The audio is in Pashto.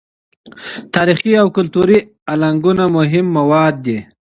تاریخي او کلتوري الانګونه مهمې مواد دي.